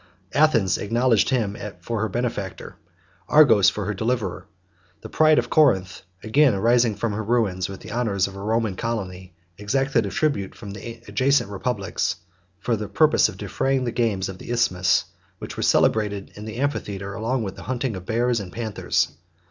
78 Athens acknowledged him for her benefactor; Argos, for her deliverer. The pride of Corinth, again rising from her ruins with the honors of a Roman colony, exacted a tribute from the adjacent republics, for the purpose of defraying the games of the Isthmus, which were celebrated in the amphitheatre with the hunting of bears and panthers.